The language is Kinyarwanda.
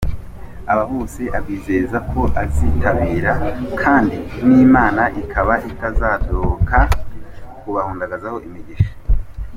Aba bose abizeza ko azabitura kandi n’Imana ikaba itazadohoka kubahundagazaho imigisha.